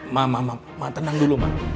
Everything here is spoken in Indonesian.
ma ma ma ma tenang dulu ma